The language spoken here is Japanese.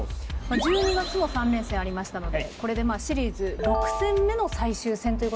１２月も３連戦ありましたのでこれでシリーズ６戦目の最終戦ということにもなります。